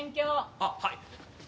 あっはい。